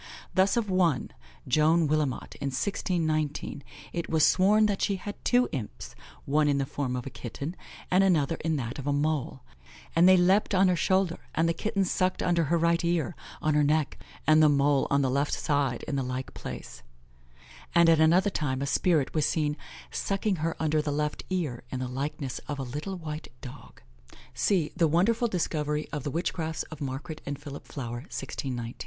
Thus of one, Joane Willimot, in 1619, it was sworn that she had two imps, one in the form of a kitten, and another in that of a mole, "and they leapt on her shoulder, and the kitten sucked under her right ear, on her neck, and the mole on the left side, in the like place;" and at another time a spirit was seen "sucking her under the left ear, in the likeness of a little white dogge." (See The Wonderful Discovery of the Witchcrafts of Margare and Philip Flower, 1619).